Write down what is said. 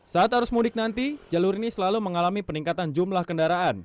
saat arus mudik nanti jalur ini selalu mengalami peningkatan jumlah kendaraan